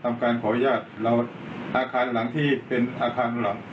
การขออนุญาตเราอาคารหลังที่เป็นอาคารหลัง